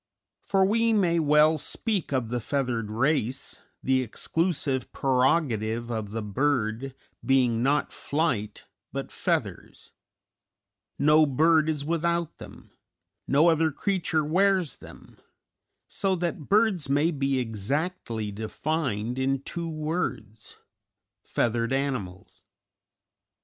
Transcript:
For we may well speak of the feathered race, the exclusive prerogative of the bird being not flight but feathers; no bird is without them, no other creature wears them, so that birds may be exactly defined in two words, feathered animals.